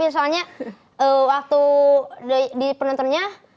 soalnya waktu di penontonnya